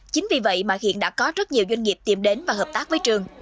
chính vì vậy mà hiện đã có rất nhiều doanh nghiệp tìm đến và hợp tác với trường